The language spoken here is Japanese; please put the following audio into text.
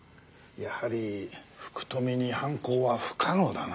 やはり福富に犯行は不可能だな。